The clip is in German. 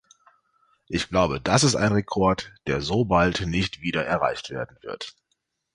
Ich glaube, das ist ein Rekord, der so bald nicht wieder erreicht werden wird.